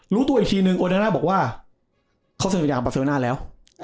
รู้ตัวอีกทีหนึ่งโอดันน่าบอกว่าเขาเซ็นสัญญากับปาเซลน่าแล้ว